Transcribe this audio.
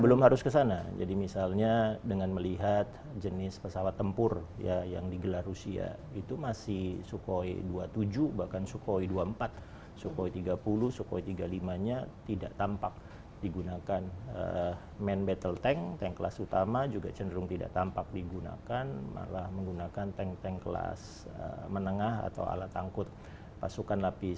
belum harus ke sana jadi misalnya dengan melihat jenis pesawat tempur yang digelar rusia itu masih sukhoi dua puluh tujuh bahkan sukhoi dua puluh empat sukhoi tiga puluh sukhoi tiga puluh lima nya tidak tampak